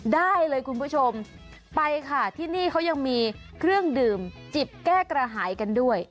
ได้เลยคุณผู้ชมไปค่ะที่นี่เขายังมีเครื่องดื่มจิบแก้กระหายกันด้วย